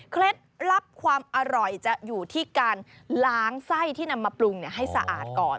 ลับความอร่อยจะอยู่ที่การล้างไส้ที่นำมาปรุงให้สะอาดก่อน